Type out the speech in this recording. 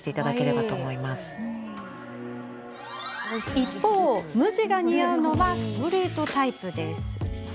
一方、無地が似合うのはストレートタイプ。